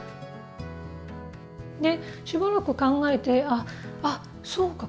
しばらく考えて「あっそうか！